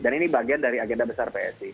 dan ini bagian dari agenda besar psi